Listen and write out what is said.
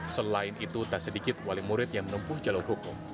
selain itu tak sedikit wali murid yang menempuh jalur hukum